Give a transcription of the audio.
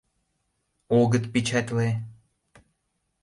— Огыт печатле...